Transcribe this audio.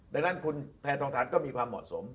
ดังนั้นคุณแพทองทานก็มีความเหมาะสม